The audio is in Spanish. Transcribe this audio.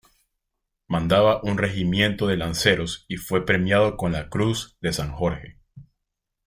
Mandaba un regimiento de lanceros y fue premiado con la Cruz de San Jorge.